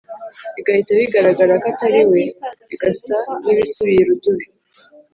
bigahita bigaragara ko atari we bigasa n’ibisubiye irudubi.